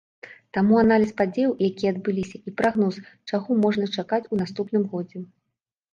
Таму аналіз падзеяў, якія адбыліся, і прагноз, чаго можна чакаць у наступным годзе?